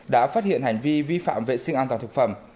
đã phát hiện hành vi vi phạm vệ sinh an toàn thực phẩm